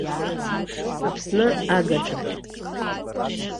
Аԥсны агаҿатәуп.